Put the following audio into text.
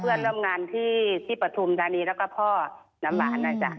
เพื่อนร่วมงานที่ปฐุมธานีแล้วก็พ่อน้ำหวานนะจ๊ะ